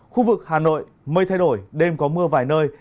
khu vực hà nội mây thay đổi đêm có mưa vài nơi